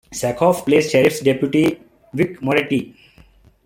Sackhoff plays Sheriff's Deputy Vic Moretti.